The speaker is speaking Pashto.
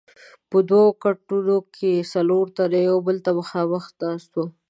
په دوو کټونو کې څلور تنه یو بل ته مخامخ ناست وو.